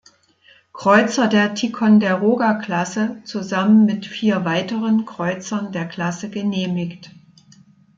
Kreuzer der "Ticonderoga-Klasse" zusammen mit vier weiteren Kreuzern der Klasse genehmigt.